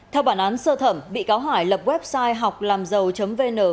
theo bản án sơ thẩm bị cáo hải lập website họclamdầu vn